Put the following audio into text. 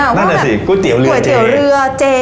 นั่นอ่ะสิก๋วยเตี๋ยวเรือเจ